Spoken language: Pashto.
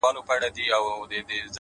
هسې سترگي پـټـي دي ويــــده نــه ده ـ